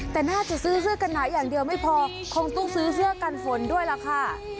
แต่น่าจะซื้อเสื้อกันหนาอย่างเดียวไม่พอคงต้องซื้อเสื้อกันฝนด้วยล่ะค่ะ